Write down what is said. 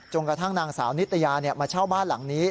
กระทั่งนางสาวนิตยามาเช่าบ้านหลังนี้